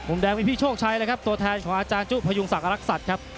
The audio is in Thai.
แดงมีพี่โชคชัยเลยครับตัวแทนของอาจารย์จุพยุงศักดิ์รักษัตริย์ครับ